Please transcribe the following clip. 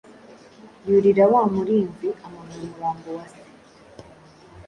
yurira wa murinzi amanura umurambo wa se